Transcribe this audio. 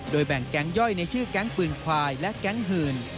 แบ่งแก๊งย่อยในชื่อแก๊งปืนควายและแก๊งหื่น